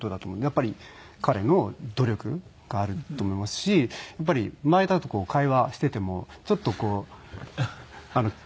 やっぱり彼の努力があると思いますしやっぱり前だと会話していてもちょっとこう色んな場所に。